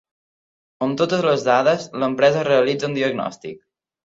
Amb totes les dades, l'empresa realitza un diagnòstic.